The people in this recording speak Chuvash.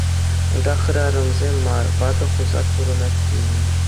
Унта хӗрарӑмсем мар, ватӑ хусах пурӑнать тейӗн.